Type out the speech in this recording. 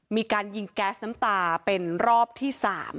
มีการยิงแก๊สน้ำตาเป็นรอบที่๓